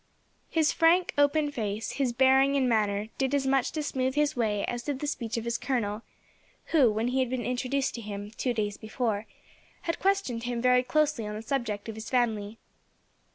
His frank open face, his bearing and manner, did as much to smooth his way as did the speech of his colonel, who, when he had been introduced to him, two days before, had questioned him very closely on the subject of his family.